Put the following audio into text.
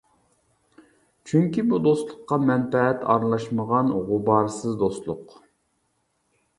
چۈنكى بۇ دوستلۇققا مەنپەئەت ئارىلاشمىغان، غۇبارسىز دوستلۇق.